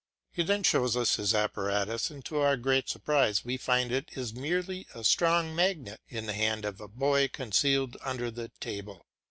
He then shows us his apparatus, and to our great surprise we find it is merely a strong magnet in the hand of a boy concealed under the table.